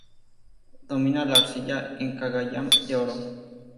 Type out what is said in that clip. Domina la arcilla en Cagayan de Oro.